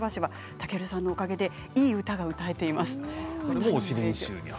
健さんのおかげでいい歌が歌えています。